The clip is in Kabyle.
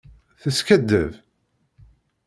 Teskaddeb.